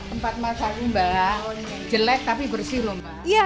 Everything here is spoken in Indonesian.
tempat masak mbak jelek tapi bersih lho mbak